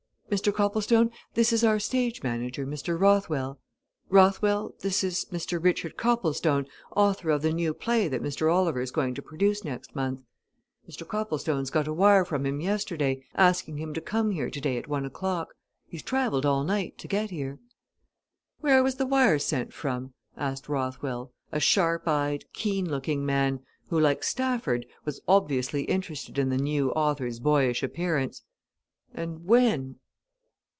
"Mr. Copplestone, this is our stage manager, Mr. Rothwell. Rothwell, this is Mr. Richard Copplestone, author of the new play that Mr. Oliver's going to produce next month. Mr. Copplestone got a wire from him yesterday, asking him to come here today at one o'clock, He's travelled all night to get here." "Where was the wire sent from?" asked Rothwell, a sharp eyed, keen looking man, who, like Stafford, was obviously interested in the new author's boyish appearance. "And when?"